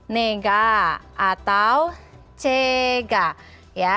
nega atau cega